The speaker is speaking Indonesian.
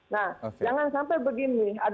nah jangan sampai begini